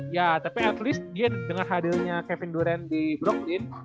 ya tapi at least dia dengan hadirnya kevin durant di brooklyn